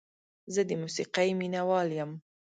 زه د موسیقۍ مینه وال یم.